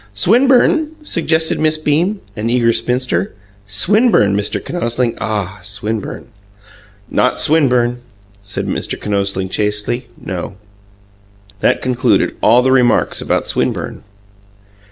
"Swinburne?" suggested Miss Beam, an eager spinster. "Swinburne, Mr. Kinosling? Ah, SWINBURNE!" "Not Swinburne," said Mr. Kinosling chastely. "No." That concluded all the remarks about Swinburne.